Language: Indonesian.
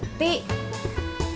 abis ditanya mba surti